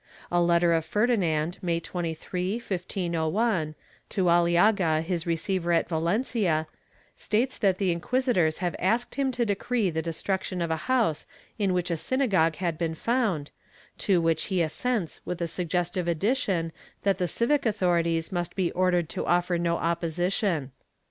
A letter of Ferdinand, May 23, 1501, to Aliaga his receiver at Valencia, states that the inquisitors have asked him to decree the destruction of a house in which a synagogue had been found, to which he assents with the suggestive addition that the civic authorities must be ordered to offer no opposition.